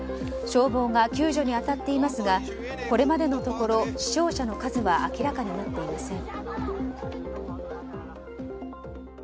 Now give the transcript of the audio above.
消防が救助に当たっていますがこれまでのところ死傷者の数は明らかになっていません。